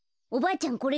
おばあちゃん